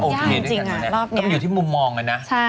มันก็โอเคด้วยกันนะครับ